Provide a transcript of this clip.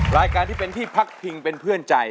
รายการที่เป็นที่พักพิงเป็นเพื่อนใจ